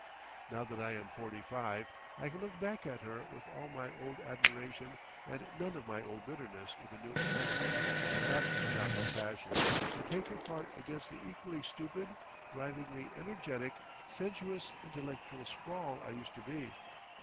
Now that I am forty five, I can look back at her with all my old admiration and none of my old bitterness with a new affection and not a scrap of passion, and take her part against the equally stupid, drivingly energetic, sensuous, intellectual sprawl I used to be.